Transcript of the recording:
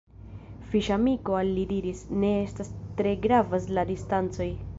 Fiŝamiko al li diris "Ne tre gravas la distancoj.